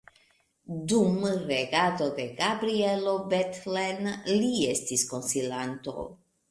Dum regado de Gabrielo Bethlen li estis konsilanto.